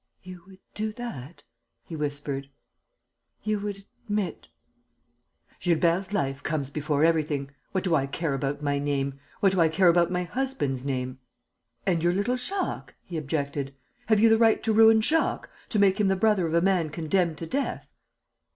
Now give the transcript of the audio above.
"You would do that?" he whispered. "You would admit...." "Gilbert's life comes before everything. What do I care about my name! What do I care about my husband's name!" "And your little Jacques?" he objected. "Have you the right to ruin Jacques, to make him the brother of a man condemned to death?"